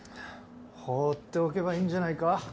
放っておけばいいんじゃないか。